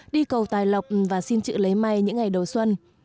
đi cầu tài lộc và xin chữ lấy may những ngày đầu xuân